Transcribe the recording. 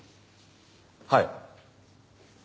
はい。